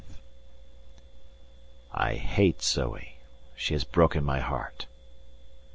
_ I hate Zoe, she has broken my heart.